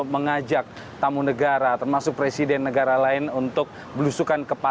mengajak tamu negara termasuk presiden negara lain untuk belusukan